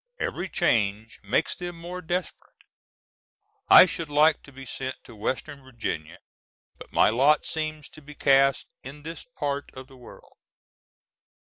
Every change makes them more desperate. I should like to be sent to Western Virginia, but my lot seems to be cast in this part of the world.